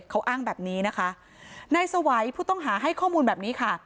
เขาอ้างแบบนี้นะคะนายสวัยผู้ต้องหาให้ข้อมูลแบบนี้ค่ะ